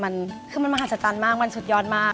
มันมหาศัตรันมากมันสุดยอดมาก